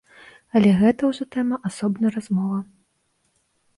Але гэта ўжо тэма асобнай размовы.